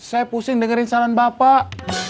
saya pusing dengerin saran bapak